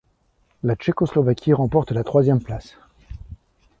La Tchécoslovaquie remporte la troisième place.